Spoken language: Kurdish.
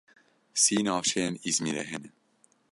Sî navçeyên Îzmîrê hene.